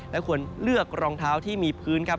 และควรเลือกรองเท้าที่มีพื้นครับ